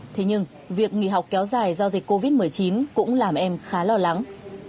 thế nhưng việc nghỉ học kéo dài do dịch covid một mươi chín cũng làm em khá lo lắng